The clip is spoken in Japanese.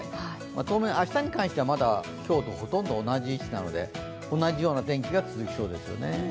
当面、明日に関しては今日とほとんど同じ位置なので同じような天気が続きそうですね。